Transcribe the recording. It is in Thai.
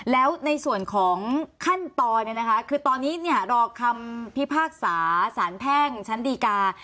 อ๋อแล้วในส่วนของขั้นตอนเนี่ยนะคะคือตอนนี้เนี่ยรอคำพิพากษาสารแพร่งชั้นดีการ์